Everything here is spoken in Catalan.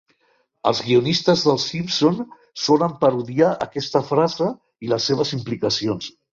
Els guionistes de "Els Simpson" solen parodiar aquesta frase i les seves implicacions.